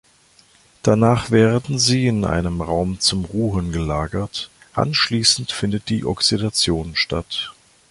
Danach werden sie in einem Raum zum Ruhen gelagert; anschließend findet die Oxidation statt.